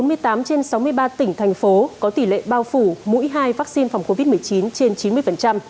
có bốn mươi tám trên sáu mươi ba tỉnh thành phố có tỷ lệ bao phủ mũi hai vaccine phòng covid một mươi chín trên chín mươi